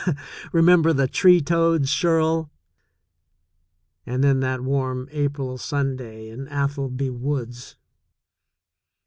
Re member the tree toads, Shirl ? And then that warm April Sunday in Atholby woods